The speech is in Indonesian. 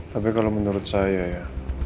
tapi kalau menurut saya ya